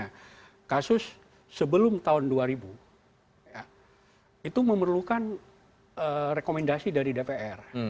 nah kasus sebelum tahun dua ribu itu memerlukan rekomendasi dari dpr